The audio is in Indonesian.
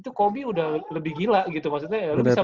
itu kobe udah lebih gila gitu maksudnya lo bisa bayangin kan tuh